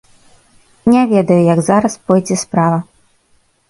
Не ведаю, як зараз пойдзе справа.